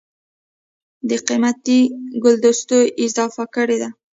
دَ قېمتي ګلدستو اضافه کړې ده